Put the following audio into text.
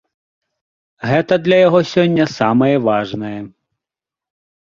Гэта для яго сёння самае важнае.